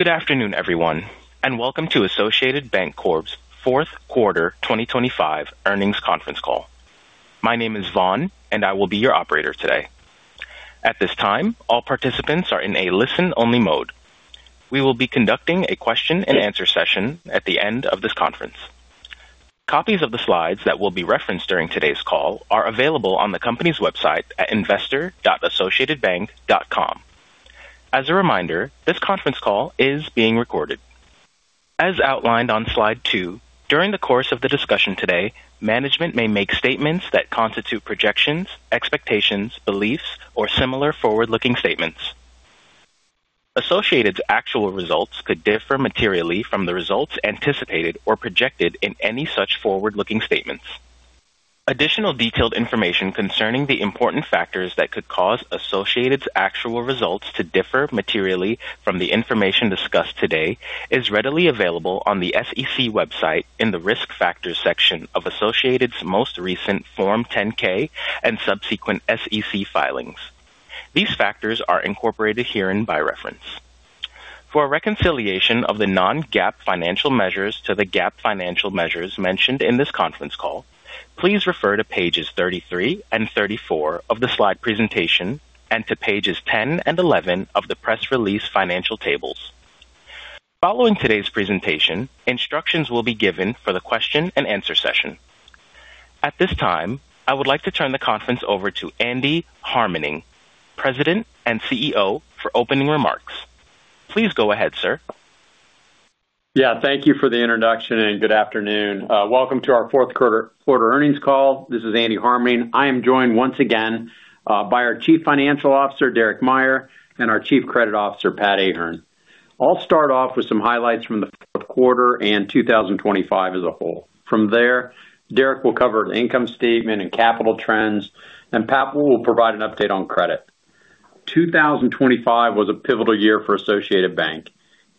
Good afternoon, everyone, and welcome to Associated Banc-Corp's Fourth Quarter 2025 earnings conference call. My name is Vaughn, and I will be your operator today. At this time, all participants are in a listen-only mode. We will be conducting a question-and-answer session at the end of this conference. Copies of the slides that will be referenced during today's call are available on the company's website at investor.associatedbank.com. As a reminder, this conference call is being recorded. As outlined on slide two, during the course of the discussion today, management may make statements that constitute projections, expectations, beliefs, or similar forward-looking statements. Associated's actual results could differ materially from the results anticipated or projected in any such forward-looking statements. Additional detailed information concerning the important factors that could cause Associated's actual results to differ materially from the information discussed today is readily available on the SEC website in the risk factors section of Associated's most recent Form 10-K and subsequent SEC filings. These factors are incorporated herein by reference. For reconciliation of the non-GAAP financial measures to the GAAP financial measures mentioned in this conference call, please refer to pages 33 and 34 of the slide presentation and to pages 10 and 11 of the press release financial tables. Following today's presentation, instructions will be given for the question-and-answer session. At this time, I would like to turn the conference over to Andy Harmening, President and CEO, for opening remarks. Please go ahead, sir. Yeah, thank you for the introduction, and good afternoon. Welcome to our Fourth Quarter earnings call. This is Andy Harmening. I am joined once again by our Chief Financial Officer, Derek Meyer, and our Chief Credit Officer, Pat Ahern. I'll start off with some highlights from the fourth quarter and 2025 as a whole. From there, Derek will cover the income statement and capital trends, and Pat will provide an update on credit. 2025 was a pivotal year for Associated Bank.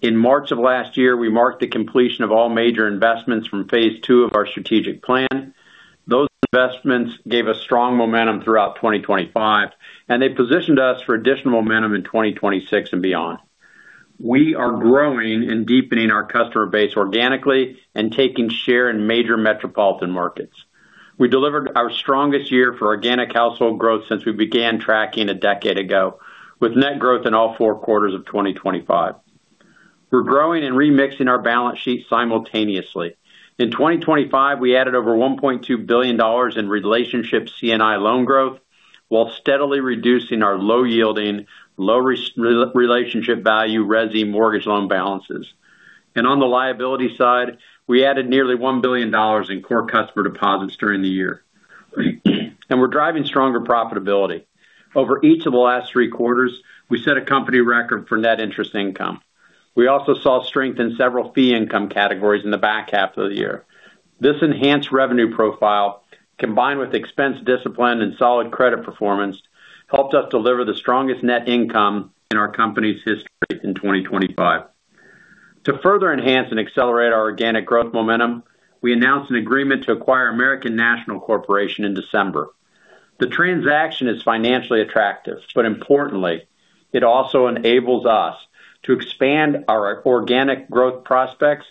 In March of last year, we marked the completion of all major investments from phase two of our strategic plan. Those investments gave us strong momentum throughout 2025, and they positioned us for additional momentum in 2026 and beyond. We are growing and deepening our customer base organically and taking share in major metropolitan markets. We delivered our strongest year for organic household growth since we began tracking a decade ago, with net growth in all four quarters of 2025. We're growing and remixing our balance sheet simultaneously. In 2025, we added over $1.2 billion in relationship C&I loan growth while steadily reducing our low-yielding, low-relationship value resi mortgage loan balances, and on the liability side, we added nearly $1 billion in core customer deposits during the year, and we're driving stronger profitability. Over each of the last three quarters, we set a company record for net interest income. We also saw strength in several fee income categories in the back half of the year. This enhanced revenue profile, combined with expense discipline and solid credit performance, helped us deliver the strongest net income in our company's history in 2025. To further enhance and accelerate our organic growth momentum, we announced an agreement to acquire American National Corporation in December. The transaction is financially attractive, but importantly, it also enables us to expand our organic growth prospects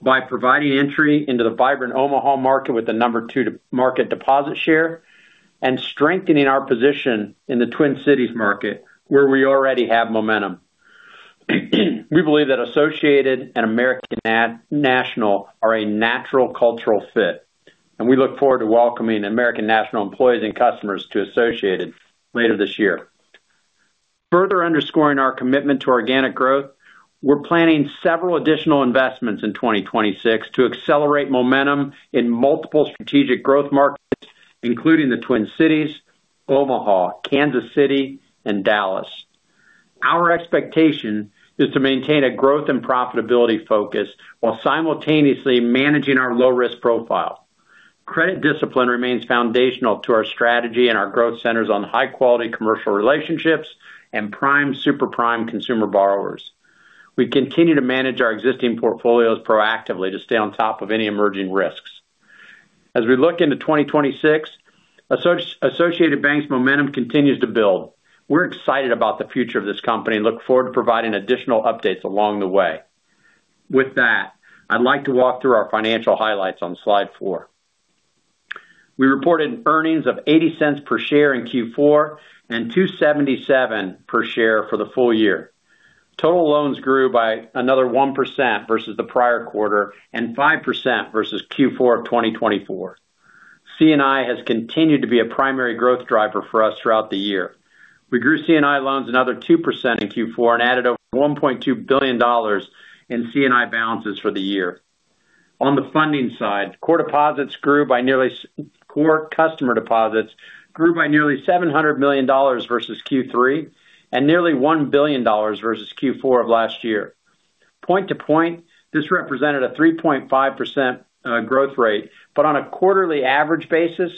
by providing entry into the vibrant Omaha market with a number two market deposit share and strengthening our position in the Twin Cities market, where we already have momentum. We believe that Associated and American National are a natural cultural fit, and we look forward to welcoming American National employees and customers to Associated later this year. Further underscoring our commitment to organic growth, we're planning several additional investments in 2026 to accelerate momentum in multiple strategic growth markets, including the Twin Cities, Omaha, Kansas City, and Dallas. Our expectation is to maintain a growth and profitability focus while simultaneously managing our low-risk profile. Credit discipline remains foundational to our strategy and our growth centers on high-quality commercial relationships and prime/super prime consumer borrowers. We continue to manage our existing portfolios proactively to stay on top of any emerging risks. As we look into 2026, Associated Bank's momentum continues to build. We're excited about the future of this company and look forward to providing additional updates along the way. With that, I'd like to walk through our financial highlights on slide four. We reported earnings of $0.80 per share in Q4 and $2.77 per share for the full year. Total loans grew by another 1% versus the prior quarter and 5% versus Q4 of 2024. C&I has continued to be a primary growth driver for us throughout the year. We grew C&I loans another 2% in Q4 and added over $1.2 billion in C&I balances for the year. On the funding side, core customer deposits grew by nearly $700 million versus Q3 and nearly $1 billion versus Q4 of last year. Point to point, this represented a 3.5% growth rate, but on a quarterly average basis,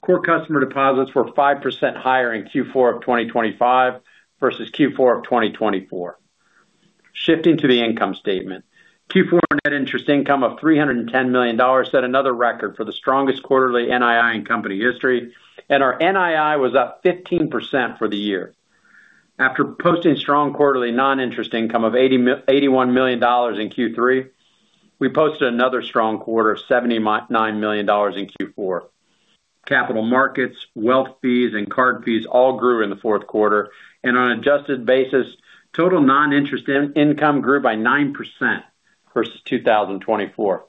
core customer deposits were 5% higher in Q4 of 2025 versus Q4 of 2024. Shifting to the income statement, Q4 net interest income of $310 million set another record for the strongest quarterly NII in company history, and our NII was up 15% for the year. After posting strong quarterly non-interest income of $81 million in Q3, we posted another strong quarter of $79 million in Q4. Capital markets, wealth fees, and card fees all grew in the fourth quarter, and on an adjusted basis, total non-interest income grew by 9% versus 2024.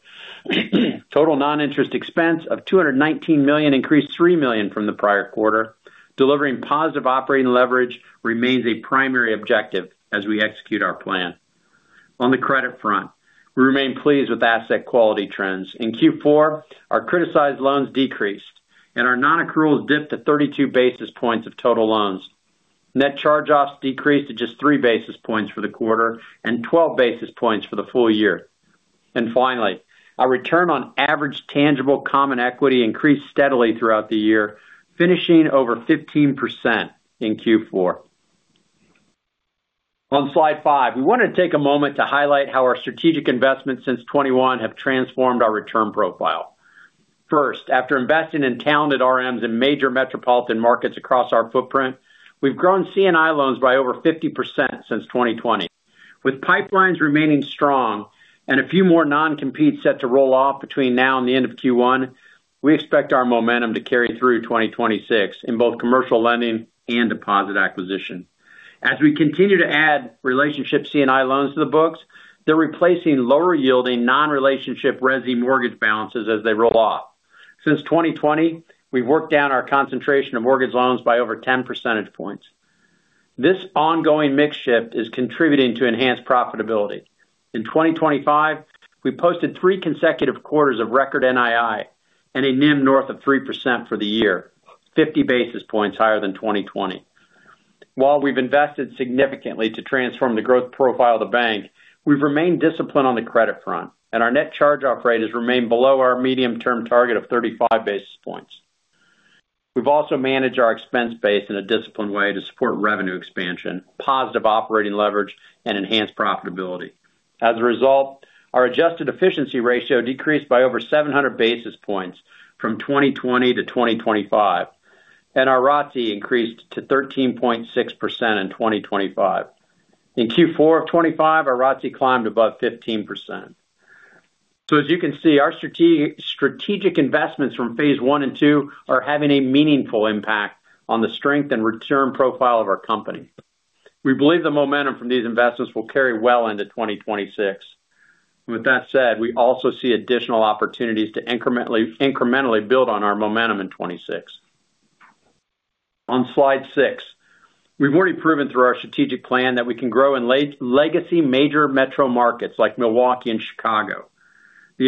Total non-interest expense of $219 million increased $3 million from the prior quarter, delivering positive operating leverage remains a primary objective as we execute our plan. On the credit front, we remain pleased with asset quality trends. In Q4, our criticized loans decreased, and our non-accruals dipped to 32 basis points of total loans. Net charge-offs decreased to just 3 basis points for the quarter and 12 basis points for the full year, and finally, our return on average tangible common equity increased steadily throughout the year, finishing over 15% in Q4. On slide five, we wanted to take a moment to highlight how our strategic investments since 2021 have transformed our return profile. First, after investing in talented RMs in major metropolitan markets across our footprint, we've grown C&I loans by over 50% since 2020. With pipelines remaining strong and a few more non-competes set to roll off between now and the end of Q1, we expect our momentum to carry through 2026 in both commercial lending and deposit acquisition. As we continue to add relationship C&I loans to the books, they're replacing lower-yielding non-relationship resi mortgage balances as they roll off. Since 2020, we've worked down our concentration of mortgage loans by over 10 percentage points. This ongoing mix shift is contributing to enhanced profitability. In 2025, we posted three consecutive quarters of record NII and a NIM north of 3% for the year, 50 basis points higher than 2020. While we've invested significantly to transform the growth profile of the bank, we've remained disciplined on the credit front, and our net charge-off rate has remained below our medium-term target of 35 basis points. We've also managed our expense base in a disciplined way to support revenue expansion, positive operating leverage, and enhanced profitability. As a result, our adjusted efficiency ratio decreased by over 700 basis points from 2020 to 2025, and our ROTI increased to 13.6% in 2025. In Q4 of 2025, our ROTI climbed above 15%. So as you can see, our strategic investments from phase I and II are having a meaningful impact on the strength and return profile of our company. We believe the momentum from these investments will carry well into 2026. With that said, we also see additional opportunities to incrementally build on our momentum in 2026. On slide six, we've already proven through our strategic plan that we can grow in legacy major metro markets like Milwaukee and Chicago. The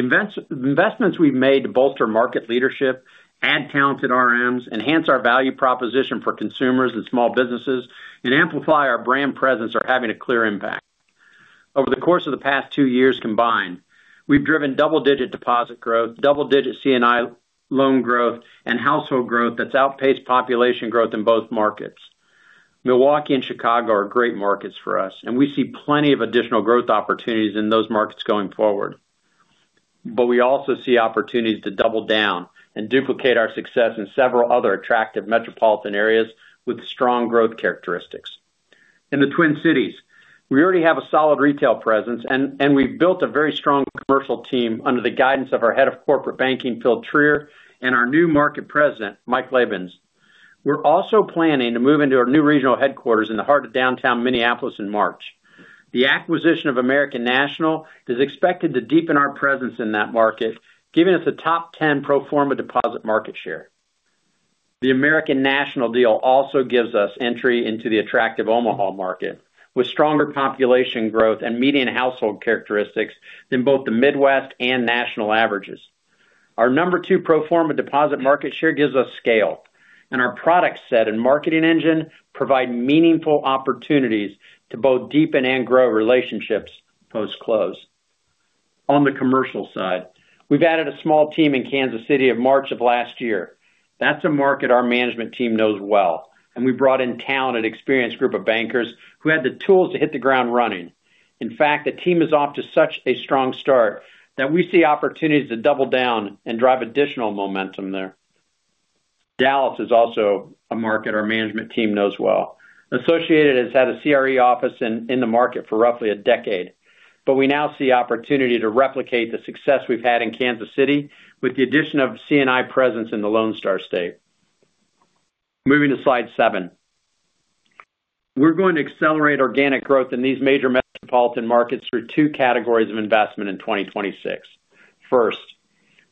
investments we've made to bolster market leadership, add talented RMs, enhance our value proposition for consumers and small businesses, and amplify our brand presence are having a clear impact. Over the course of the past two years combined, we've driven double-digit deposit growth, double-digit C&I loan growth, and household growth that's outpaced population growth in both markets. Milwaukee and Chicago are great markets for us, and we see plenty of additional growth opportunities in those markets going forward. But we also see opportunities to double down and duplicate our success in several other attractive metropolitan areas with strong growth characteristics. In the Twin Cities, we already have a solid retail presence, and we've built a very strong commercial team under the guidance of our head of corporate banking, Phil Trier, and our new market president, Mike Labins. We're also planning to move into our new regional headquarters in the heart of downtown Minneapolis in March. The acquisition of American National is expected to deepen our presence in that market, giving us a top 10 pro forma deposit market share. The American National deal also gives us entry into the attractive Omaha market with stronger population growth and median household characteristics than both the Midwest and national averages. Our number two pro forma deposit market share gives us scale, and our product set and marketing engine provide meaningful opportunities to both deepen and grow relationships post-close. On the commercial side, we've added a small team in Kansas City in March of last year. That's a market our management team knows well, and we brought in talented experienced group of bankers who had the tools to hit the ground running. In fact, the team is off to such a strong start that we see opportunities to double down and drive additional momentum there. Dallas is also a market our management team knows well. Associated has had a CRE office in the market for roughly a decade, but we now see opportunity to replicate the success we've had in Kansas City with the addition of C&I presence in the Lone Star State. Moving to slide seven, we're going to accelerate organic growth in these major metropolitan markets through two categories of investment in 2026. First,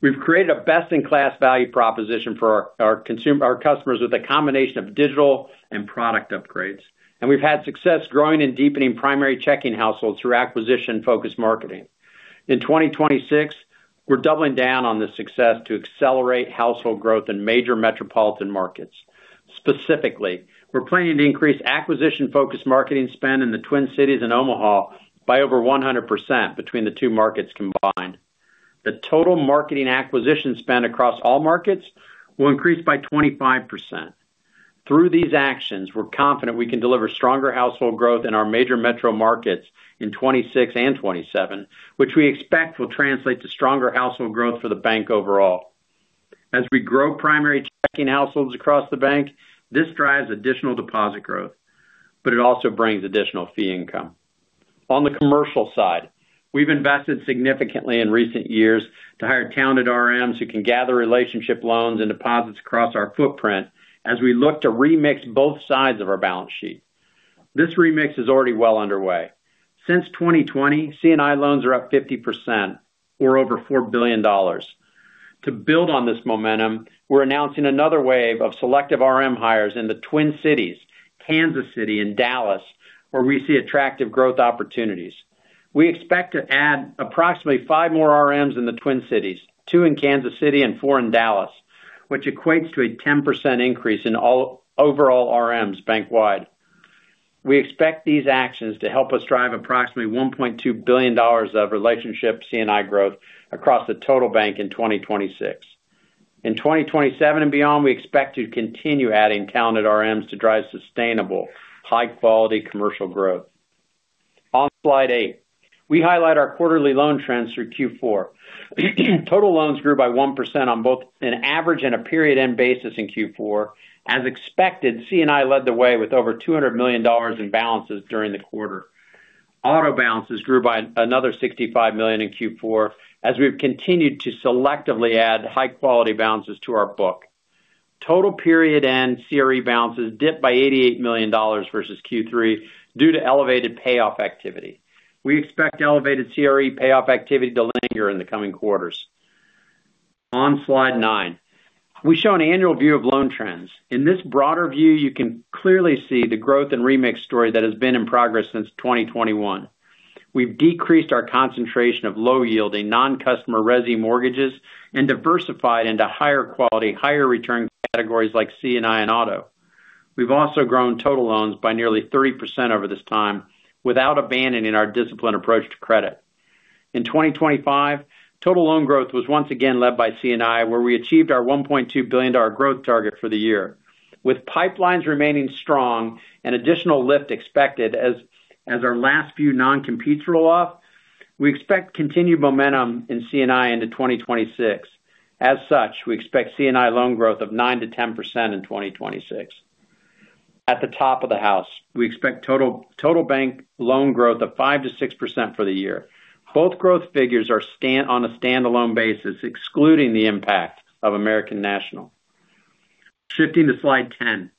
we've created a best-in-class value proposition for our customers with a combination of digital and product upgrades, and we've had success growing and deepening primary checking households through acquisition-focused marketing. In 2026, we're doubling down on this success to accelerate household growth in major metropolitan markets. Specifically, we're planning to increase acquisition-focused marketing spend in the Twin Cities and Omaha by over 100% between the two markets combined. The total marketing acquisition spend across all markets will increase by 25%. Through these actions, we're confident we can deliver stronger household growth in our major metro markets in 2026 and 2027, which we expect will translate to stronger household growth for the bank overall. As we grow primary checking households across the bank, this drives additional deposit growth, but it also brings additional fee income. On the commercial side, we've invested significantly in recent years to hire talented RMs who can gather relationship loans and deposits across our footprint as we look to remix both sides of our balance sheet. This remix is already well underway. Since 2020, C&I loans are up 50% or over $4 billion. To build on this momentum, we're announcing another wave of selective RM hires in the Twin Cities, Kansas City, and Dallas, where we see attractive growth opportunities. We expect to add approximately five more RMs in the Twin Cities, two in Kansas City and four in Dallas, which equates to a 10% increase in all overall RMs bank-wide. We expect these actions to help us drive approximately $1.2 billion of relationship C&I growth across the total bank in 2026. In 2027 and beyond, we expect to continue adding talented RMs to drive sustainable, high-quality commercial growth. On slide eight, we highlight our quarterly loan trends through Q4. Total loans grew by 1% on both an average and a period-end basis in Q4. As expected, C&I led the way with over $200 million in balances during the quarter. Auto balances grew by another $65 million in Q4 as we've continued to selectively add high-quality balances to our book. Total period-end CRE balances dipped by $88 million versus Q3 due to elevated payoff activity. We expect elevated CRE payoff activity to linger in the coming quarters. On slide nine, we show an annual view of loan trends. In this broader view, you can clearly see the growth and remix story that has been in progress since 2021. We've decreased our concentration of low-yielding, non-customer resi mortgages and diversified into higher quality, higher-returning categories like C&I and auto. We've also grown total loans by nearly 30% over this time without abandoning our disciplined approach to credit. In 2025, total loan growth was once again led by C&I, where we achieved our $1.2 billion growth target for the year. With pipelines remaining strong and additional lift expected as our last few non-competes roll off, we expect continued momentum in C&I into 2026. As such, we expect C&I loan growth of 9% to 10% in 2026. At the top of the house, we expect total bank loan growth of 5% to 6% for the year. Both growth figures are on a standalone basis, excluding the impact of American National. Shifting to slide 10,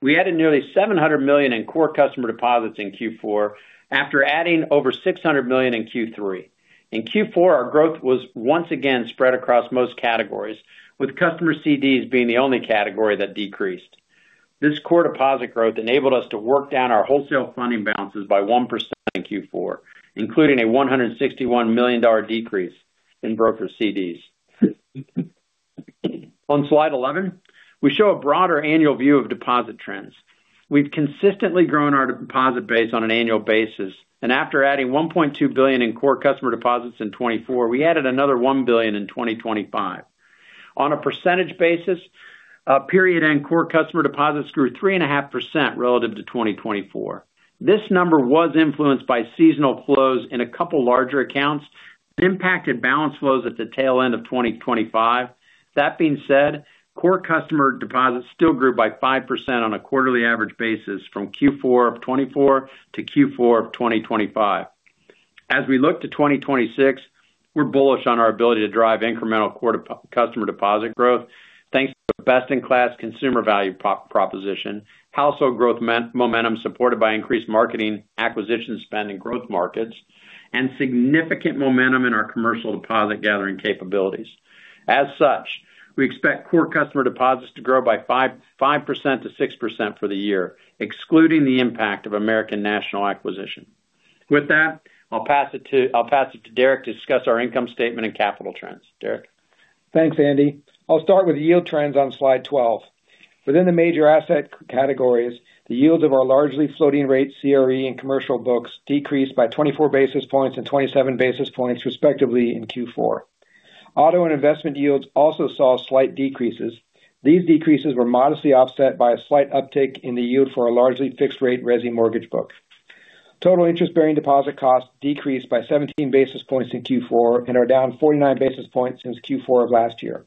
we added nearly $700 million in core customer deposits in Q4 after adding over $600 million in Q3. In Q4, our growth was once again spread across most categories, with customer CDs being the only category that decreased. This core deposit growth enabled us to work down our wholesale funding balances by 1% in Q4, including a $161 million decrease in broker CDs. On slide 11, we show a broader annual view of deposit trends. We've consistently grown our deposit base on an annual basis, and after adding $1.2 billion in core customer deposits in 2024, we added another $1 billion in 2025. On a percentage basis, period-end core customer deposits grew 3.5% relative to 2024. This number was influenced by seasonal flows in a couple of larger accounts and impacted balance flows at the tail end of 2025. That being said, core customer deposits still grew by 5% on a quarterly average basis from Q4 of 2024 to Q4 of 2025. As we look to 2026, we're bullish on our ability to drive incremental core customer deposit growth thanks to best-in-class consumer value proposition, household growth momentum supported by increased marketing, acquisition spend, and growth markets, and significant momentum in our commercial deposit gathering capabilities. As such, we expect core customer deposits to grow by 5%-6% for the year, excluding the impact of American National acquisition. With that, I'll pass it to Derek to discuss our income statement and capital trends. Derek. Thanks, Andy. I'll start with yield trends on slide 12. Within the major asset categories, the yields of our largely floating-rate CRE and commercial books decreased by 24 basis points and 27 basis points, respectively, in Q4. Auto and investment yields also saw slight decreases. These decreases were modestly offset by a slight uptick in the yield for our largely fixed-rate resi mortgage book. Total interest-bearing deposit costs decreased by 17 basis points in Q4 and are down 49 basis points since Q4 of last year.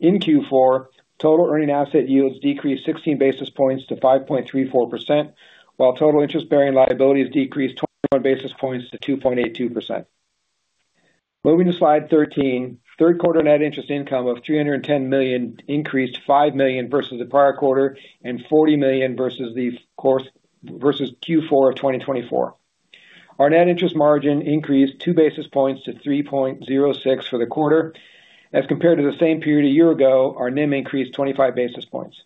In Q4, total earning asset yields decreased 16 basis points to 5.34%, while total interest-bearing liabilities decreased 21 basis points to 2.82%. Moving to slide 13, third-quarter net interest income of $310 million increased $5 million versus the prior quarter and $40 million versus Q4 of 2024. Our net interest margin increased 2 basis points to 3.06 for the quarter. As compared to the same period a year ago, our NIM increased 25 basis points.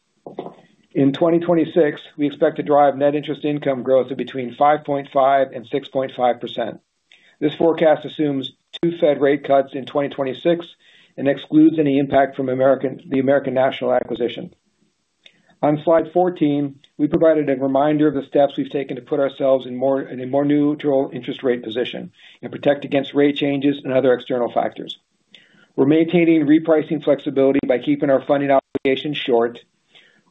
In 2026, we expect to drive net interest income growth of between 5.5 and 6.5%. This forecast assumes two Fed rate cuts in 2026 and excludes any impact from the American National acquisition. On slide 14, we provided a reminder of the steps we've taken to put ourselves in a more neutral interest rate position and protect against rate changes and other external factors. We're maintaining repricing flexibility by keeping our funding obligations short.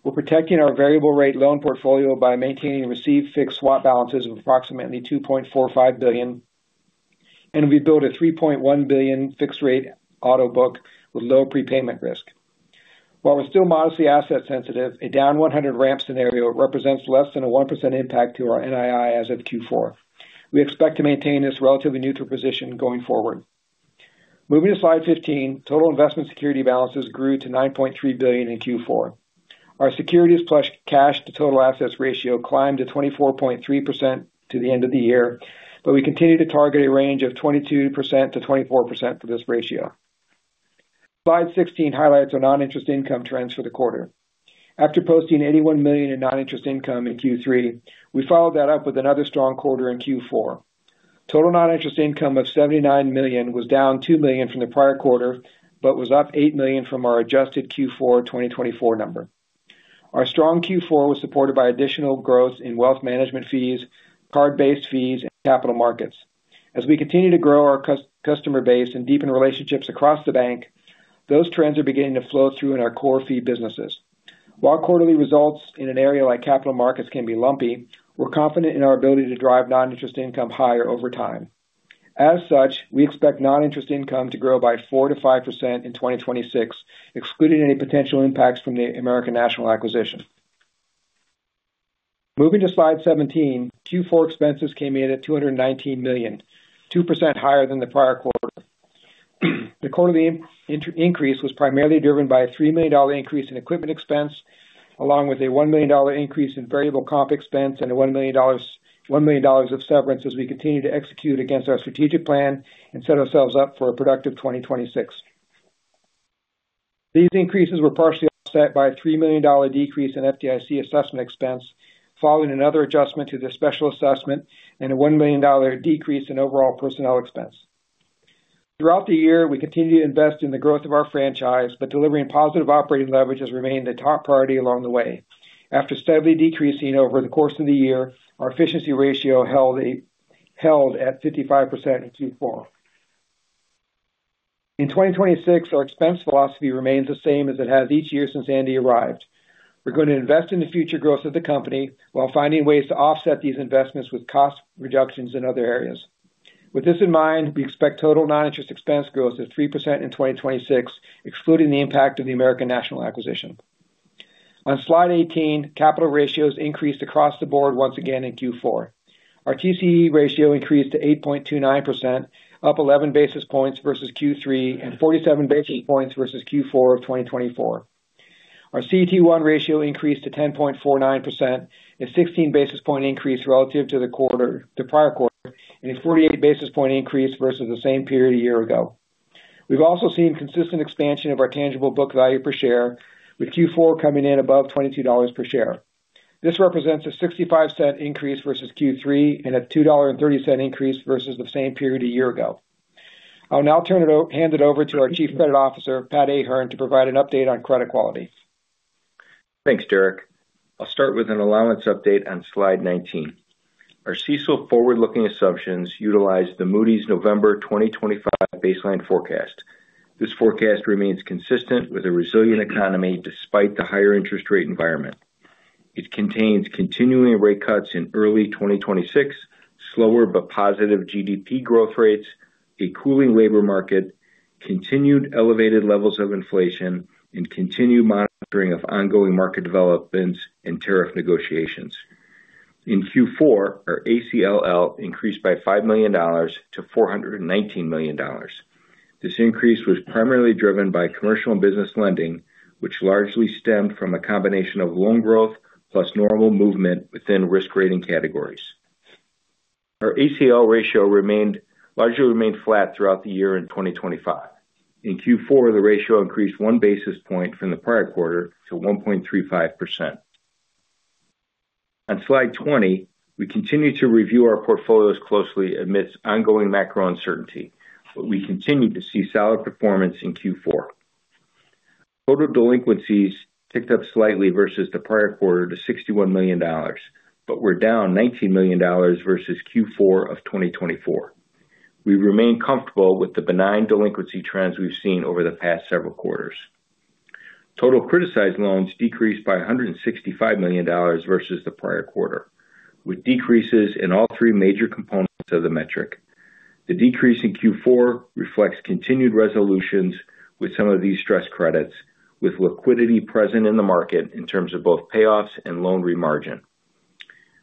We're protecting our variable-rate loan portfolio by maintaining receive-fixed swap balances of approximately $2.45 billion, and we built a $3.1 billion fixed-rate auto book with low prepayment risk. While we're still modestly asset-sensitive, a down 100 ramp scenario represents less than a 1% impact to our NII as of Q4. We expect to maintain this relatively neutral position going forward. Moving to slide 15, total investment security balances grew to $9.3 billion in Q4. Our securities plus cash to total assets ratio climbed to 24.3% to the end of the year, but we continue to target a range of 22%-24% for this ratio. Slide 16 highlights our non-interest income trends for the quarter. After posting $81 million in non-interest income in Q3, we followed that up with another strong quarter in Q4. Total non-interest income of $79 million was down $2 million from the prior quarter but was up $8 million from our adjusted Q4 2024 number. Our strong Q4 was supported by additional growth in wealth management fees, card-based fees, and capital markets. As we continue to grow our customer base and deepen relationships across the bank, those trends are beginning to flow through in our core fee businesses. While quarterly results in an area like capital markets can be lumpy, we're confident in our ability to drive non-interest income higher over time. As such, we expect non-interest income to grow by 4% to 5% in 2026, excluding any potential impacts from the American National acquisition. Moving to slide 17, Q4 expenses came in at $219 million, 2% higher than the prior quarter. The quarterly increase was primarily driven by a $3 million increase in equipment expense, along with a $1 million increase in variable comp expense and $1 million of severance as we continue to execute against our strategic plan and set ourselves up for a productive 2026. These increases were partially offset by a $3 million decrease in FDIC assessment expense, following another adjustment to the special assessment and a $1 million decrease in overall personnel expense. Throughout the year, we continued to invest in the growth of our franchise, but delivering positive operating leverage has remained the top priority along the way. After steadily decreasing over the course of the year, our efficiency ratio held at 55% in Q4. In 2026, our expense philosophy remains the same as it has each year since Andy arrived. We're going to invest in the future growth of the company while finding ways to offset these investments with cost reductions in other areas. With this in mind, we expect total non-interest expense growth of 3% in 2026, excluding the impact of the American National acquisition. On slide 18, capital ratios increased across the board once again in Q4. Our TCE ratio increased to 8.29%, up 11 basis points versus Q3 and 47 basis points versus Q4 of 2024. Our CET1 ratio increased to 10.49%, a 16 basis point increase relative to the prior quarter, and a 48 basis point increase versus the same period a year ago. We've also seen consistent expansion of our tangible book value per share, with Q4 coming in above $22 per share. This represents a $0.65 increase versus Q3 and a $2.30 increase versus the same period a year ago. I'll now hand it over to our Chief Credit Officer, Pat Ahern, to provide an update on credit quality. Thanks, Derek. I'll start with an allowance update on slide 19. Our CECL forward-looking assumptions utilize the Moody's November 2025 baseline forecast. This forecast remains consistent with a resilient economy despite the higher interest rate environment. It contains continuing rate cuts in early 2026, slower but positive GDP growth rates, a cooling labor market, continued elevated levels of inflation, and continued monitoring of ongoing market developments and tariff negotiations. In Q4, our ACL increased by $5 million to $419 million. This increase was primarily driven by commercial and business lending, which largely stemmed from a combination of loan growth plus normal movement within risk-rating categories. Our ACL ratio largely remained flat throughout the year in 2025. In Q4, the ratio increased one basis point from the prior quarter to 1.35%. On slide 20, we continue to review our portfolios closely amidst ongoing macro uncertainty, but we continue to see solid performance in Q4. Total delinquencies ticked up slightly versus the prior quarter to $61 million, but we're down $19 million versus Q4 of 2024. We remain comfortable with the benign delinquency trends we've seen over the past several quarters. Total criticized loans decreased by $165 million versus the prior quarter, with decreases in all three major components of the metric. The decrease in Q4 reflects continued resolutions with some of these stress credits, with liquidity present in the market in terms of both payoffs and loan remargin.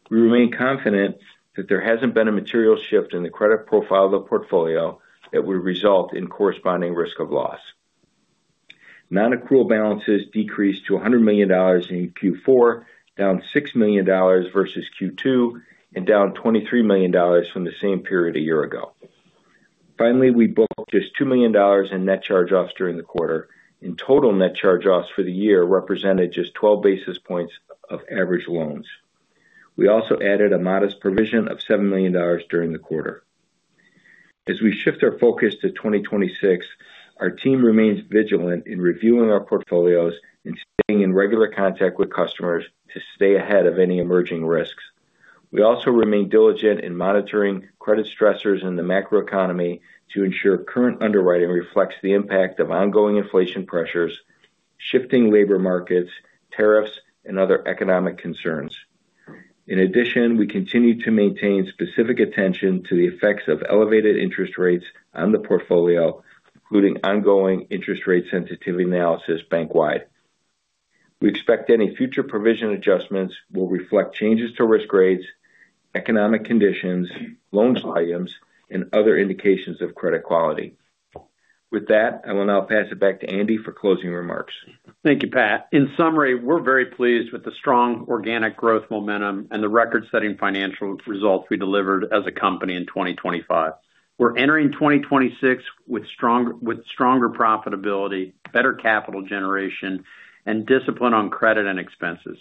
We remain confident that there hasn't been a material shift in the credit profile of the portfolio that would result in corresponding risk of loss. Non-accrual balances decreased to $100 million in Q4, down $6 million versus Q2, and down $23 million from the same period a year ago. Finally, we booked just $2 million in net charge-offs during the quarter, and total net charge-offs for the year represented just 12 basis points of average loans. We also added a modest provision of $7 million during the quarter. As we shift our focus to 2026, our team remains vigilant in reviewing our portfolios and staying in regular contact with customers to stay ahead of any emerging risks. We also remain diligent in monitoring credit stressors in the macroeconomy to ensure current underwriting reflects the impact of ongoing inflation pressures, shifting labor markets, tariffs, and other economic concerns. In addition, we continue to maintain specific attention to the effects of elevated interest rates on the portfolio, including ongoing interest rate sensitivity analysis bank-wide. We expect any future provision adjustments will reflect changes to risk rates, economic conditions, loan volumes, and other indications of credit quality. With that, I will now pass it back to Andy for closing remarks. Thank you, Pat. In summary, we're very pleased with the strong organic growth momentum and the record-setting financial results we delivered as a company in 2025. We're entering 2026 with stronger profitability, better capital generation, and discipline on credit and expenses.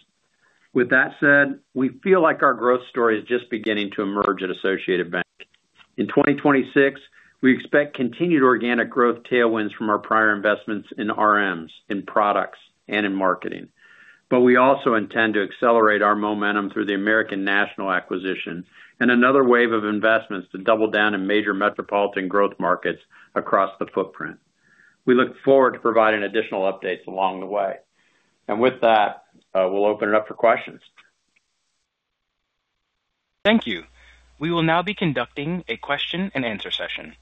With that said, we feel like our growth story is just beginning to emerge at Associated Bank. In 2026, we expect continued organic growth tailwinds from our prior investments in RMs, in products, and in marketing. But we also intend to accelerate our momentum through the American National acquisition and another wave of investments to double down in major metropolitan growth markets across the footprint. We look forward to providing additional updates along the way. And with that, we'll open it up for questions. Thank you. We will now be conducting a question-and-answer session.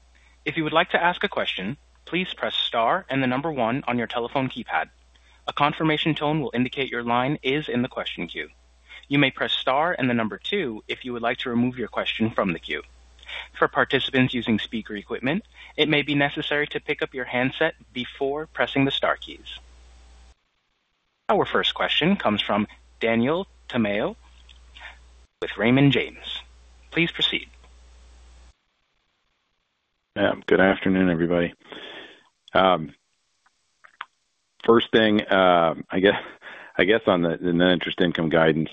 If you would like to ask a question, please press star and the number one on your telephone keypad. A confirmation tone will indicate your line is in the question queue. You may press star and the number two if you would like to remove your question from the queue. For participants using speaker equipment, it may be necessary to pick up your handset before pressing the star keys. Our first question comes from Daniel Tamayo with Raymond James. Please proceed. Good afternoon, everybody. First thing, I guess on the non-interest income guidance,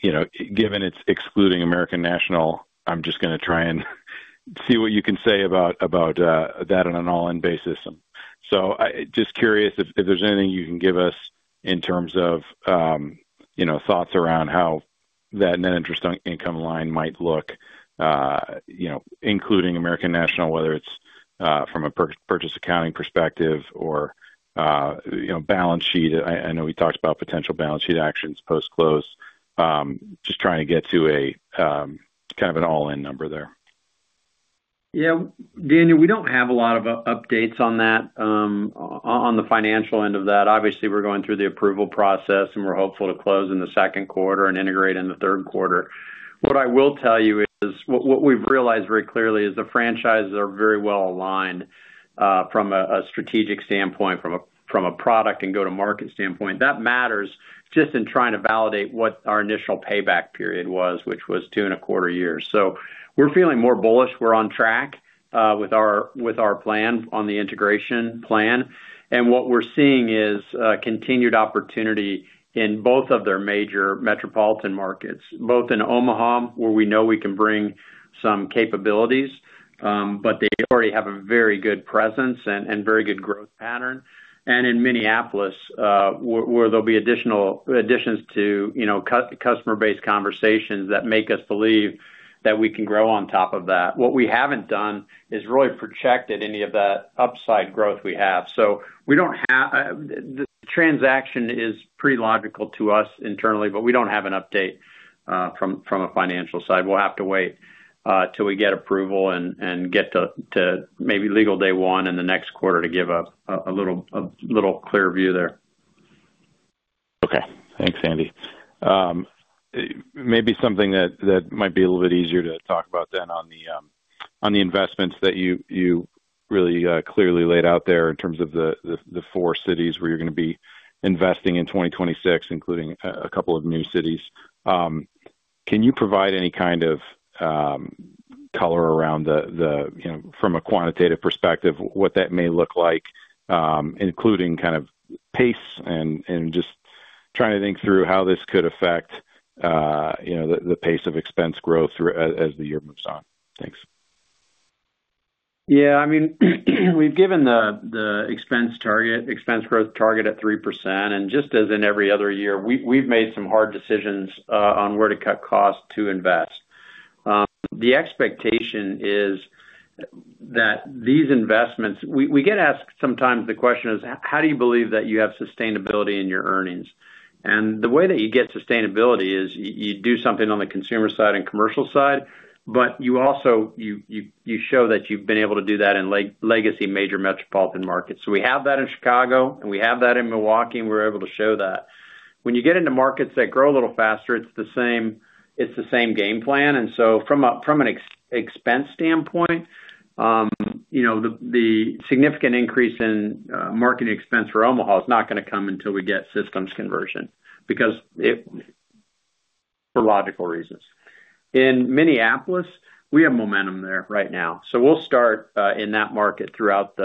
given it's excluding American National, I'm just going to try and see what you can say about that on an all-in basis. So just curious if there's anything you can give us in terms of thoughts around how that net interest income line might look, including American National, whether it's from a purchase accounting perspective or balance sheet? I know we talked about potential balance sheet actions post-close, just trying to get to kind of an all-in number there. Yeah, Daniel, we don't have a lot of updates on that, on the financial end of that. Obviously, we're going through the approval process, and we're hopeful to close in the second quarter and integrate in the third quarter. What I will tell you is what we've realized very clearly is the franchises are very well aligned from a strategic standpoint, from a product and go-to-market standpoint. That matters just in trying to validate what our initial payback period was, which was two and a quarter years. So we're feeling more bullish. We're on track with our plan on the integration plan. And what we're seeing is continued opportunity in both of their major metropolitan markets, both in Omaha, where we know we can bring some capabilities, but they already have a very good presence and very good growth pattern. And in Minneapolis, where there'll be additions to customer-based conversations that make us believe that we can grow on top of that. What we haven't done is really projected any of that upside growth we have. So the transaction is pretty logical to us internally, but we don't have an update from a financial side. We'll have to wait till we get approval and get to maybe legal day one in the next quarter to give a little clear view there. Okay. Thanks, Andy. Maybe something that might be a little bit easier to talk about then on the investments that you really clearly laid out there in terms of the four cities where you're going to be investing in 2026, including a couple of new cities. Can you provide any kind of color around, from a quantitative perspective, what that may look like, including kind of pace and just trying to think through how this could affect the pace of expense growth as the year moves on? Thanks. Yeah. I mean, we've given the expense target, expense growth target at 3%. And just as in every other year, we've made some hard decisions on where to cut costs to invest. The expectation is that these investments. We get asked sometimes the question is, how do you believe that you have sustainability in your earnings? And the way that you get sustainability is you do something on the consumer side and commercial side, but you show that you've been able to do that in legacy major metropolitan markets. So we have that in Chicago, and we have that in Milwaukee, and we're able to show that. When you get into markets that grow a little faster, it's the same game plan. And so from an expense standpoint, the significant increase in marketing expense for Omaha is not going to come until we get systems conversion for logical reasons. In Minneapolis, we have momentum there right now. So we'll start in that market throughout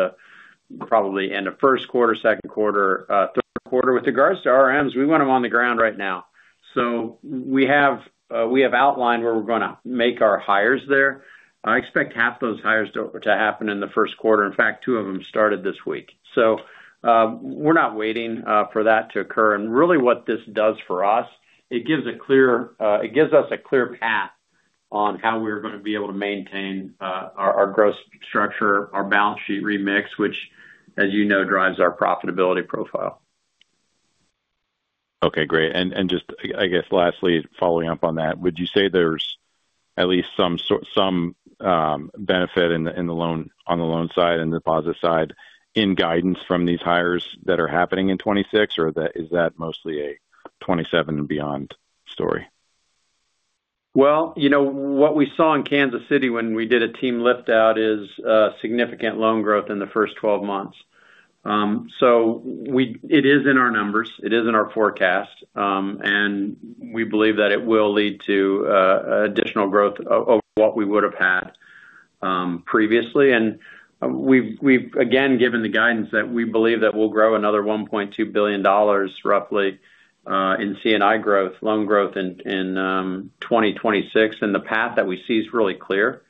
probably end of first quarter, second quarter, third quarter. With regards to RMs, we want them on the ground right now. So we have outlined where we're going to make our hires there. I expect half those hires to happen in the first quarter. In fact, two of them started this week. So we're not waiting for that to occur. And really, what this does for us, it gives us a clear path on how we're going to be able to maintain our growth structure, our balance sheet remix, which, as you know, drives our profitability profile. Okay. Great. And just, I guess, lastly, following up on that, would you say there's at least some benefit on the loan side and deposit side in guidance from these hires that are happening in 2026, or is that mostly a 2027 and beyond story? Well, what we saw in Kansas City when we did a team lift-out is significant loan growth in the first 12 months. So it is in our numbers. It is in our forecast. And we believe that it will lead to additional growth over what we would have had previously. And we've, again, given the guidance that we believe that we'll grow another $1.2 billion, roughly, in C&I growth, loan growth in 2026. And the path that we see is really clear.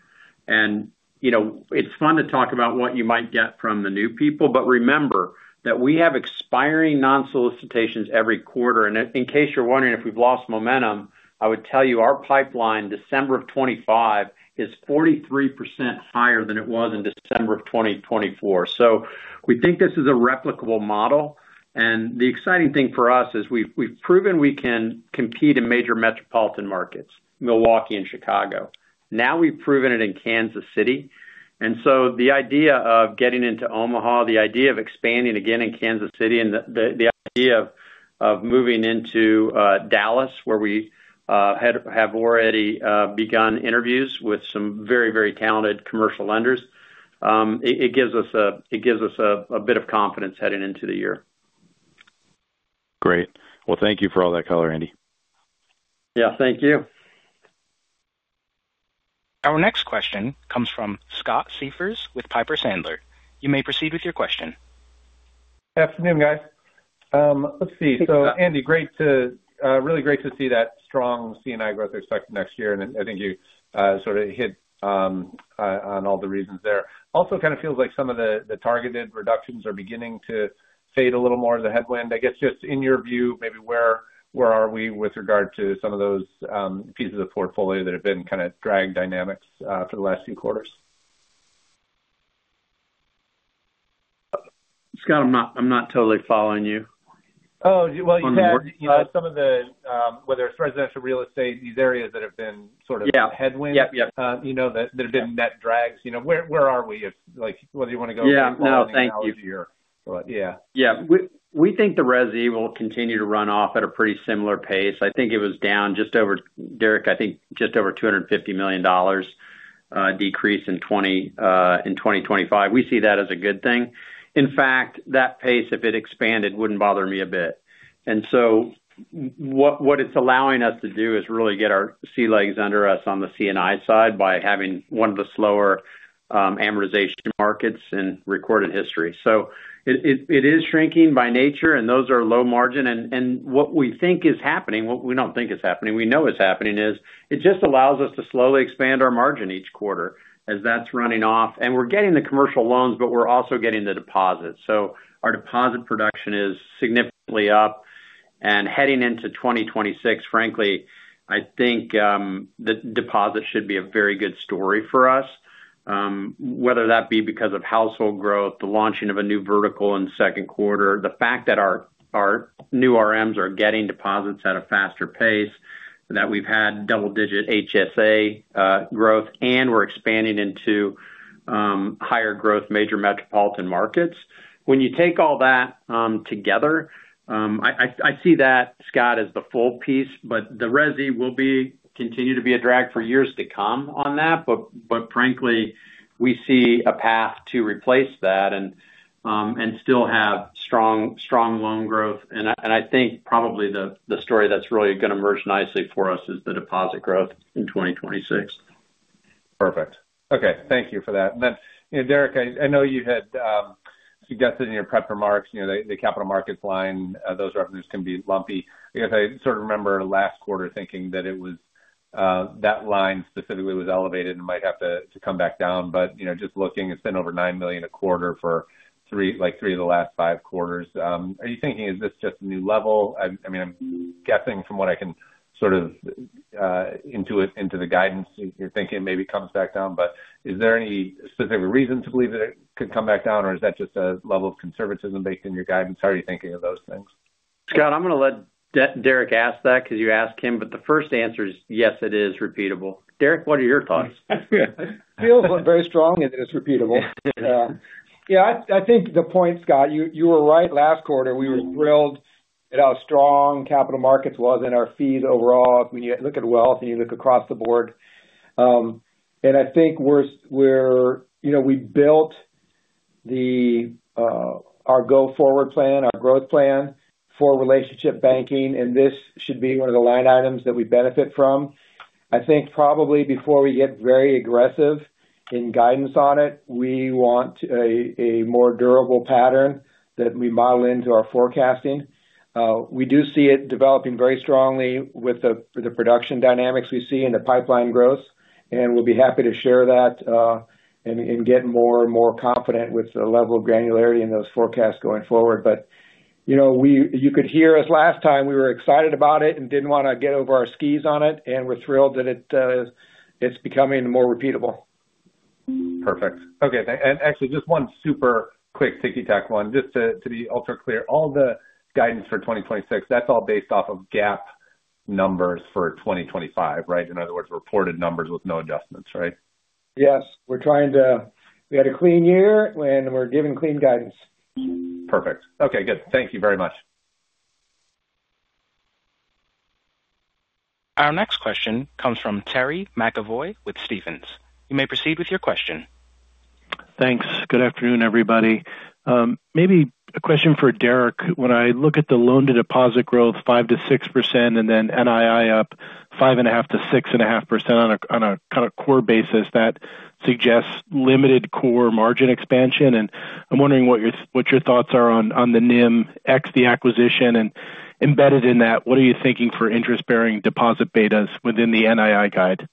And it's fun to talk about what you might get from the new people, but remember that we have expiring non-solicitations every quarter. And in case you're wondering if we've lost momentum, I would tell you our pipeline December of 2025 is 43% higher than it was in December of 2024. So we think this is a replicable model. And the exciting thing for us is we've proven we can compete in major metropolitan markets, Milwaukee and Chicago. Now we've proven it in Kansas City. And so the idea of getting into Omaha, the idea of expanding again in Kansas City, and the idea of moving into Dallas, where we have already begun interviews with some very, very talented commercial lenders, it gives us a bit of confidence heading into the year. Great. Well, thank you for all that color, Andy. Yeah. Thank you. Our next question comes from Scott Siefers with Piper Sandler. You may proceed with your question. Good afternoon, guys. Let's see. So, Andy, really great to see that strong C&I growth expected next year. And I think you sort of hit on all the reasons there. Also, it kind of feels like some of the targeted reductions are beginning to fade a little more as a headwind. I guess just in your view, maybe where are we with regard to some of those pieces of portfolio that have been kind of drag dynamics for the last few quarters? Scott, I'm not totally following you. Oh, well, you had some of the, whether it's residential real estate, these areas that have been sort of headwinds, that have been net drags. Where are we? Whether you want to go to the end of the quarter or the year. Yeah. Yeah. We think the resi will continue to run off at a pretty similar pace. I think it was down just over, Derek, I think just over $250 million decrease in 2025. We see that as a good thing. In fact, that pace, if it expanded, wouldn't bother me a bit. And so what it's allowing us to do is really get our sea legs under us on the C&I side by having one of the slower amortization markets in recorded history. So it is shrinking by nature, and those are low margin. And what we think is happening, what we don't think is happening, we know is happening, is it just allows us to slowly expand our margin each quarter as that's running off. And we're getting the commercial loans, but we're also getting the deposits. So our deposit production is significantly up. And heading into 2026, frankly, I think the deposit should be a very good story for us, whether that be because of household growth, the launching of a new vertical in second quarter, the fact that our new RMs are getting deposits at a faster pace, that we've had double-digit HSA growth, and we're expanding into higher growth major metropolitan markets. When you take all that together, I see that, Scott, as the full piece, but the resi will continue to be a drag for years to come on that. But frankly, we see a path to replace that and still have strong loan growth. And I think probably the story that's really going to merge nicely for us is the deposit growth in 2026. Perfect. Okay. Thank you for that. And then, Derek, I know you had suggested in your prep remarks, the capital markets line, those revenues can be lumpy. I guess I sort of remember last quarter thinking that that line specifically was elevated and might have to come back down. But just looking, it's been over $9 million a quarter for three of the last five quarters. Are you thinking, is this just a new level? I mean, I'm guessing from what I can sort of intuit into the guidance, you're thinking it maybe comes back down. But is there any specific reason to believe that it could come back down, or is that just a level of conservatism based in your guidance? How are you thinking of those things? Scott, I'm going to let Derek ask that because you asked him. But the first answer is, yes, it is repeatable. Derek, what are your thoughts? Feels very strong and it's repeatable. Yeah. I think the point, Scott, you were right last quarter. We were thrilled at how strong capital markets was and our fees overall. When you look at wealth and you look across the board. And I think we built our go-forward plan, our growth plan for relationship banking. And this should be one of the line items that we benefit from. I think probably before we get very aggressive in guidance on it, we want a more durable pattern that we model into our forecasting. We do see it developing very strongly with the production dynamics we see and the pipeline growth. And we'll be happy to share that and get more and more confident with the level of granularity in those forecasts going forward. But you could hear us last time. We were excited about it and didn't want to get over our skis on it. And we're thrilled that it's becoming more repeatable. Perfect. Okay. And actually, just one super quick ticky-tack one, just to be ultra clear. All the guidance for 2026, that's all based off of GAAP numbers for 2025, right? In other words, reported numbers with no adjustments, right? Yes. We had a clean year, and we're giving clean guidance. Perfect. Okay. Good. Thank you very much. Our next question comes from Terry McEvoy with Stephens. You may proceed with your question. Thanks. Good afternoon, everybody. Maybe a question for Derek. When I look at the loan-to-deposit growth, 5%-6%, and then NII up 5.5%-6.5% on a kind of core basis, that suggests limited core margin expansion. I'm wondering what your thoughts are on the NIM, ex the acquisition, and embedded in that, what are you thinking for interest-bearing deposit betas within the NII guide?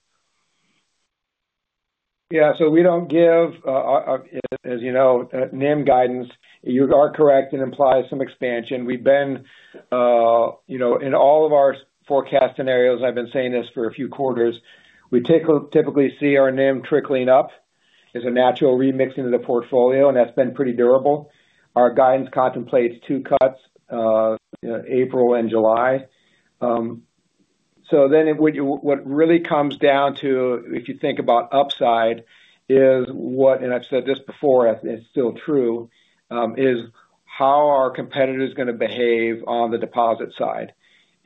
Yeah. We don't give, as you know, NIM guidance. You are correct. It implies some expansion. We've been in all of our forecast scenarios, and I've been saying this for a few quarters. We typically see our NIM trickling up as a natural remix into the portfolio, and that's been pretty durable. Our guidance contemplates two cuts, April and July. Then what really comes down to, if you think about upside, is what, and I've said this before, it's still true, is how are competitors going to behave on the deposit side?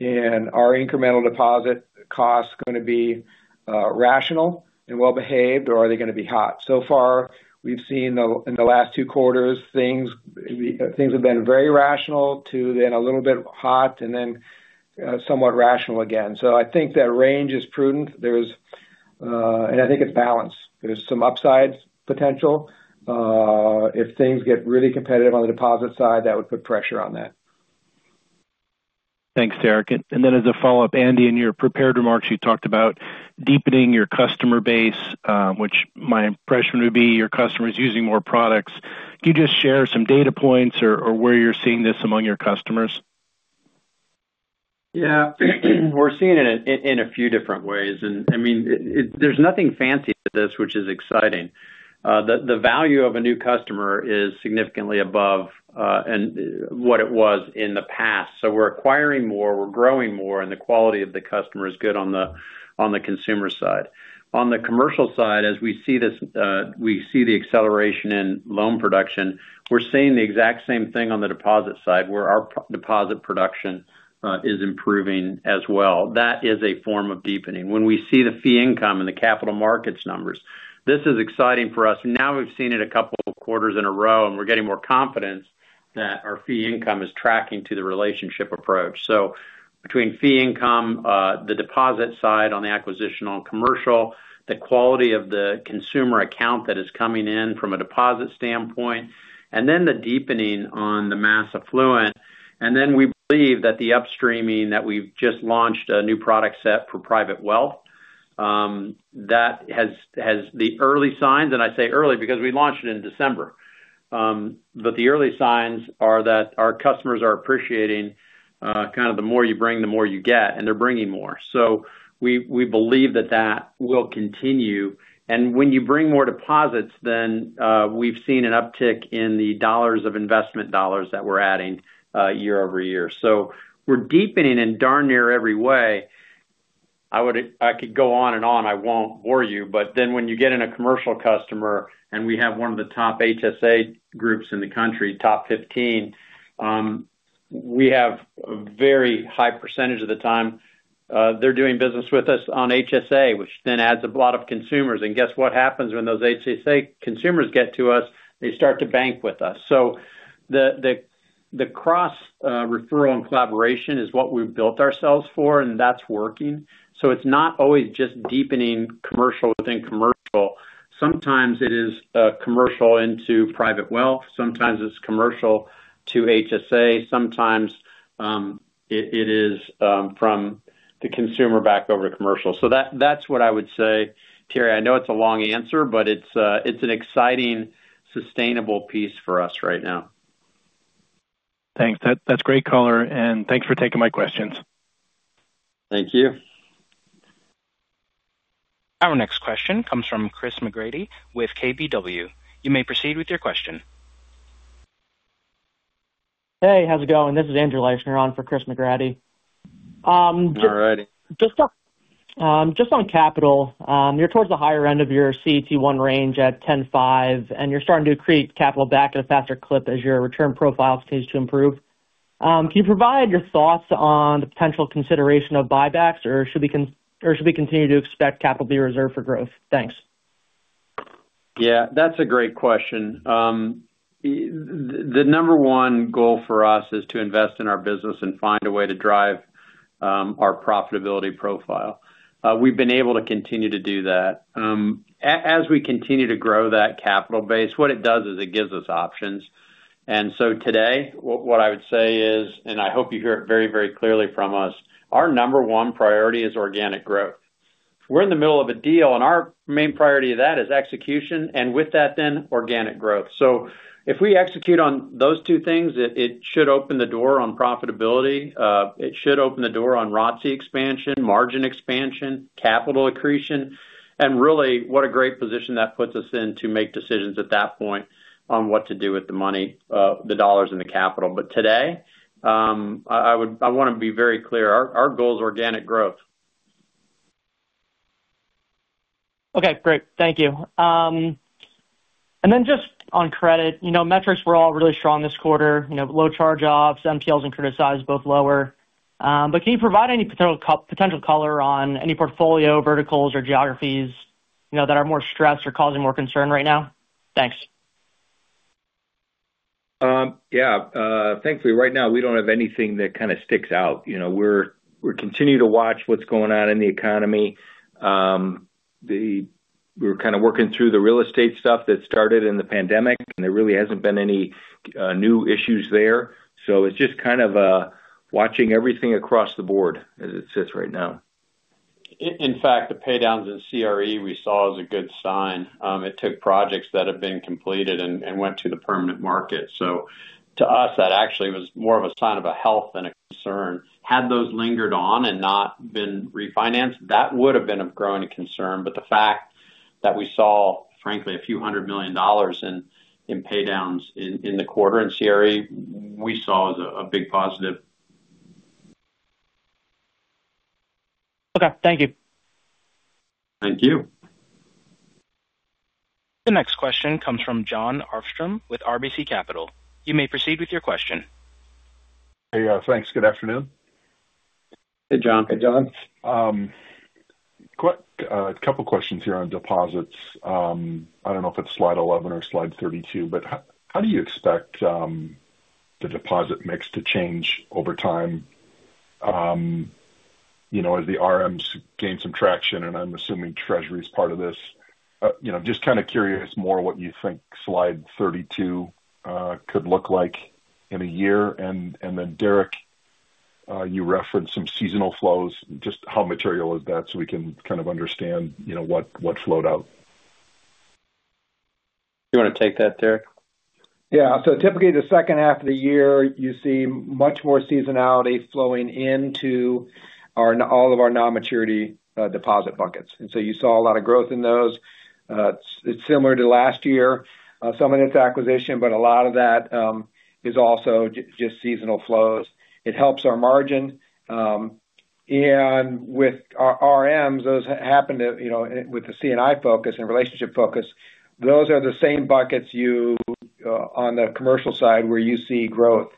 Are incremental deposit costs going to be rational and well-behaved, or are they going to be hot? So far, we've seen in the last two quarters, things have been very rational to then a little bit hot and then somewhat rational again. So I think that range is prudent. And I think it's balanced. There's some upside potential. If things get really competitive on the deposit side, that would put pressure on that. Thanks, Derek. And then as a follow-up, Andy, in your prepared remarks, you talked about deepening your customer base, which my impression would be your customers using more products. Can you just share some data points or where you're seeing this among your customers? Yeah. We're seeing it in a few different ways. And I mean, there's nothing fancy to this, which is exciting. The value of a new customer is significantly above what it was in the past. So we're acquiring more. We're growing more. The quality of the customer is good on the consumer side. On the commercial side, as we see this, we see the acceleration in loan production. We're seeing the exact same thing on the deposit side, where our deposit production is improving as well. That is a form of deepening. When we see the fee income and the capital markets numbers, this is exciting for us. Now we've seen it a couple of quarters in a row, and we're getting more confidence that our fee income is tracking to the relationship approach. Between fee income, the deposit side on the acquisition on commercial, the quality of the consumer account that is coming in from a deposit standpoint, and then the deepening on the mass affluent. We believe that the upstreaming that we've just launched a new product set for private wealth, that has the early signs. And I say early because we launched it in December. But the early signs are that our customers are appreciating kind of the more you bring, the more you get. And they're bringing more. So we believe that that will continue. And when you bring more deposits, then we've seen an uptick in the dollars of investment dollars that we're adding year over year. So we're deepening in darn near every way. I could go on and on. I won't bore you. But then when you get in a commercial customer and we have one of the top HSA groups in the country, top 15, we have a very high percentage of the time they're doing business with us on HSA, which then adds a lot of consumers. And guess what happens when those HSA consumers get to us? They start to bank with us. So the cross-referral and collaboration is what we've built ourselves for, and that's working. So it's not always just deepening commercial within commercial. Sometimes it is commercial into private wealth. Sometimes it's commercial to HSA. Sometimes it is from the consumer back over to commercial. So that's what I would say, Terry. I know it's a long answer, but it's an exciting, sustainable piece for us right now. Thanks. That's great color. And thanks for taking my questions. Thank you. Our next question comes from Chris McGratty with KBW. You may proceed with your question. Hey, how's it going? This is Andrew Leisner on for Chris McGratty. All righty. Just on capital, you're towards the higher end of your CET1 range at 10.5%, and you're starting to create capital back at a faster clip as your return profile continues to improve. Can you provide your thoughts on the potential consideration of buybacks, or should we continue to expect capital to be reserved for growth? Thanks. Yeah. That's a great question. The number one goal for us is to invest in our business and find a way to drive our profitability profile. We've been able to continue to do that. As we continue to grow that capital base, what it does is it gives us options. And so today, what I would say is, and I hope you hear it very, very clearly from us, our number one priority is organic growth. We're in the middle of a deal, and our main priority of that is execution, and with that, then organic growth. So if we execute on those two things, it should open the door on profitability. It should open the door on ROTCE expansion, margin expansion, capital accretion, and really what a great position that puts us in to make decisions at that point on what to do with the money, the dollars, and the capital. But today, I want to be very clear. Our goal is organic growth. Okay. Great. Thank you. And then just on credit, metrics were all really strong this quarter, low charge-offs, NPLs and criticized both lower. But can you provide any potential color on any portfolio verticals or geographies that are more stressed or causing more concern right now? Thanks. Yeah. Thankfully, right now, we don't have anything that kind of sticks out. We're continuing to watch what's going on in the economy. We're kind of working through the real estate stuff that started in the pandemic, and there really hasn't been any new issues there. So it's just kind of watching everything across the board as it sits right now. In fact, the paydowns in CRE we saw is a good sign. It took projects that have been completed and went to the permanent market. So to us, that actually was more of a sign of a health than a concern. Had those lingered on and not been refinanced, that would have been of growing concern. But the fact that we saw, frankly, a few hundred million dollars in paydowns in the quarter in CRE, we saw as a big positive. Okay. Thank you. Thank you. The next question comes from Jon Arfstrom with RBC Capital. You may proceed with your question. Hey, thanks. Good afternoon. Hey, Jon. Hey, Jon. A couple of questions here on deposits. I don't know if it's slide 11 or slide 32, but how do you expect the deposit mix to change over time as the RMs gain some traction? And I'm assuming Treasury is part of this. Just kind of curious more what you think slide 32 could look like in a year. And then, Derek, you referenced some seasonal flows. Just how material is that so we can kind of understand what flowed out? Do you want to take that, Derek? Yeah. So typically, the second half of the year, you see much more seasonality flowing into all of our non-maturity deposit buckets. And so you saw a lot of growth in those. It's similar to last year, some of it's acquisition, but a lot of that is also just seasonal flows. It helps our margin. And with our RMs, those happen with the C&I focus and relationship focus. Those are the same buckets on the commercial side where you see growth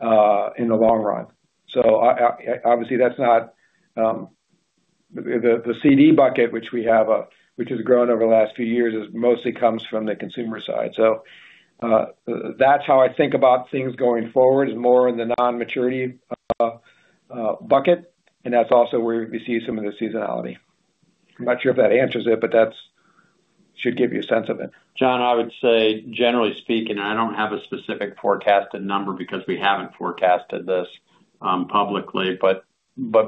in the long run. So obviously, that's not the CD bucket, which we have, which has grown over the last few years, mostly comes from the consumer side. So that's how I think about things going forward is more in the non-maturity bucket. And that's also where we see some of the seasonality. I'm not sure if that answers it, but that should give you a sense of it. Jon, I would say, generally speaking, and I don't have a specific forecasted number because we haven't forecasted this publicly, but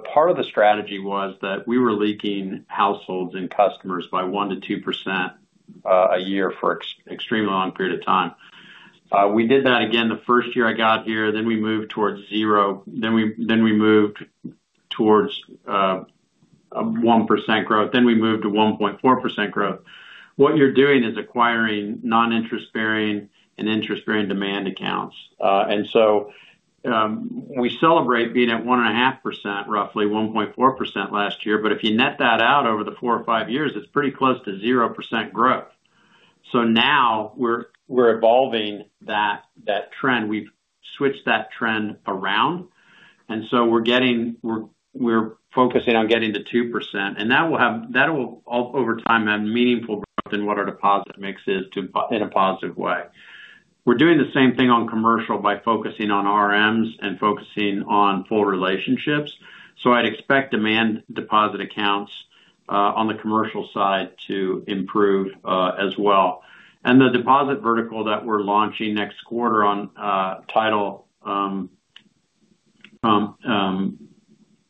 part of the strategy was that we were leaking households and customers by 1% to 2% a year for an extremely long period of time. We did that again the first year I got here. Then we moved towards zero. Then we moved towards 1% growth. Then we moved to 1.4% growth. What you're doing is acquiring non-interest-bearing and interest-bearing demand accounts. And so we celebrate being at 1.5%, roughly 1.4% last year. But if you net that out over the four or five years, it's pretty close to zero percent growth. So now we're evolving that trend. We've switched that trend around. And so we're focusing on getting to 2%. And that will, over time, have meaningful growth in what our deposit mix is in a positive way. We're doing the same thing on commercial by focusing on RMs and focusing on full relationships. So I'd expect demand deposit accounts on the commercial side to improve as well. And the deposit vertical that we're launching next quarter on title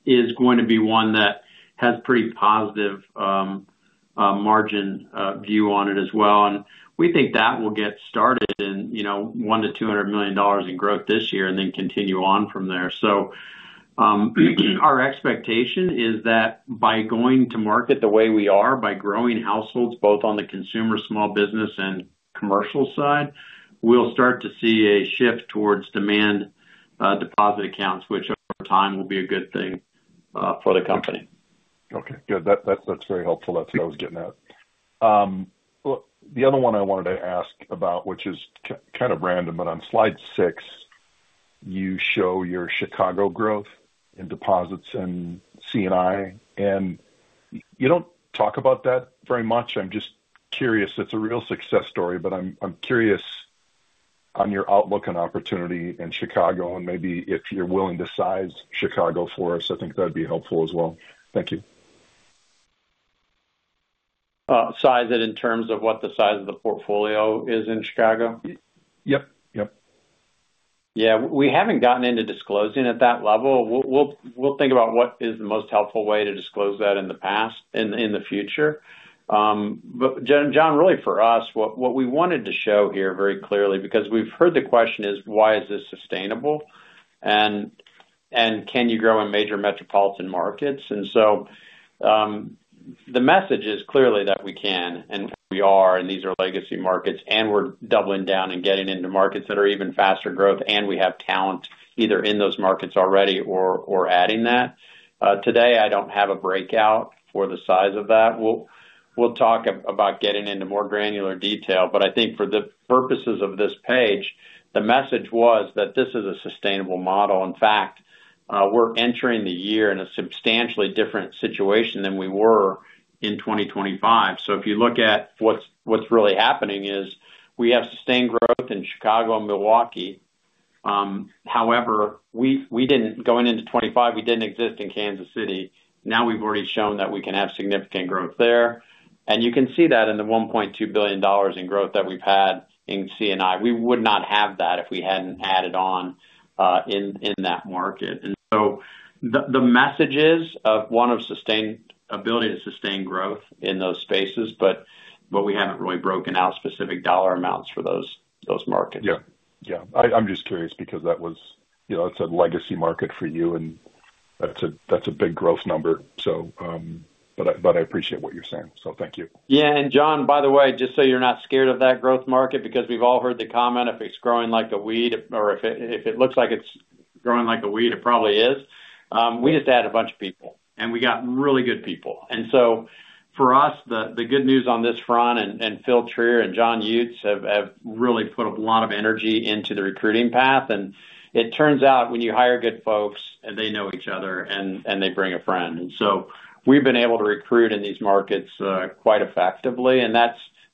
is going to be one that has a pretty positive margin view on it as well. We think that will get started in $1 million to $200 million in growth this year and then continue on from there. So our expectation is that by going to market the way we are, by growing households both on the consumer, small business, and commercial side, we'll start to see a shift towards demand deposit accounts, which over time will be a good thing for the company. Okay. Good. That's very helpful. That's what I was getting at. The other one I wanted to ask about, which is kind of random, but on slide six, you show your Chicago growth in deposits and C&I. And you don't talk about that very much. I'm just curious. It's a real success story, but I'm curious on your outlook and opportunity in Chicago. And maybe if you're willing to size Chicago for us, I think that'd be helpful as well. Thank you. Size it in terms of what the size of the portfolio is in Chicago? Yep. Yep. Yeah. We haven't gotten into disclosing at that level. We'll think about what is the most helpful way to disclose that in the past and in the future. But Jon, really for us, what we wanted to show here very clearly, because we've heard the question is, why is this sustainable? And can you grow in major metropolitan markets? And so the message is clearly that we can. And we are. And these are legacy markets. And we're doubling down and getting into markets that are even faster growth. And we have talent either in those markets already or adding that. Today, I don't have a breakout for the size of that. We'll talk about getting into more granular detail. But I think for the purposes of this page, the message was that this is a sustainable model. In fact, we're entering the year in a substantially different situation than we were in 2025. So if you look at what's really happening is we have sustained growth in Chicago and Milwaukee. However, going into 2025, we didn't exist in Kansas City. Now we've already shown that we can have significant growth there. And you can see that in the $1.2 billion in growth that we've had in C&I. We would not have that if we hadn't added on in that market. And so the message is one of ability to sustain growth in those spaces, but we haven't really broken out specific dollar amounts for those markets. Yeah. Yeah. I'm just curious because that was a legacy market for you. And that's a big growth number. But I appreciate what you're saying. So thank you. Yeah. And Jon, by the way, just so you're not scared of that growth market, because we've all heard the comment if it's growing like a weed or if it looks like it's growing like a weed, it probably is. We just add a bunch of people. And we got really good people. And so for us, the good news on this front, and Phil Trier and John Yates have really put a lot of energy into the recruiting path. And it turns out when you hire good folks, they know each other, and they bring a friend. And so we've been able to recruit in these markets quite effectively. And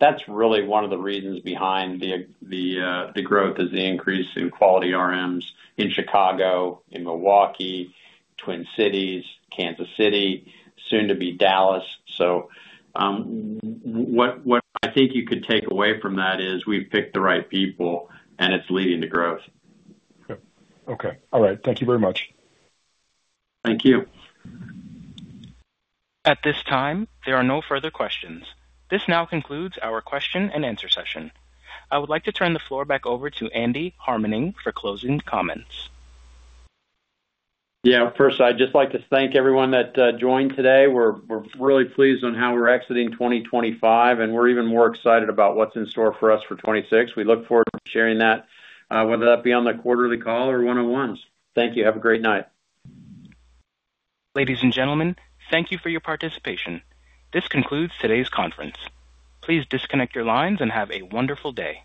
that's really one of the reasons behind the growth is the increase in quality RMs in Chicago, in Milwaukee, Twin Cities, Kansas City, soon to be Dallas. So what I think you could take away from that is we've picked the right people, and it's leading to growth. Okay. All right. Thank you very much. Thank you. At this time, there are no further questions. This now concludes our question and answer session. I would like to turn the floor back over to Andy Harmening for closing comments. Yeah. First, I'd just like to thank everyone that joined today. We're really pleased on how we're exiting 2025, and we're even more excited about what's in store for us for 2026. We look forward to sharing that, whether that be on the quarterly call or one-on-ones. Thank you. Have a great night. Ladies and gentlemen, thank you for your participation. This concludes today's conference. Please disconnect your lines and have a wonderful day.